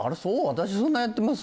私そんなやってます？